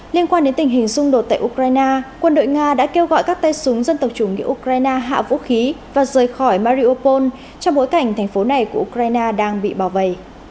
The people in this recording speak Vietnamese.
liên quan đến tình hình xung đột tại ukraine quân đội nga đã kêu gọi các tay súng dân tộc chủ nghĩa ukraine hạ vũ khí và rời khỏi mariopol trong bối cảnh thành phố này của ukraine đang bị bào vầy